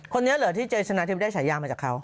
คนนี้เหรอที่เจชนะทิพย์ได้ฉายามาจากเขา